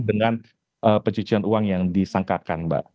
dengan pencucian uang yang disangkakan mbak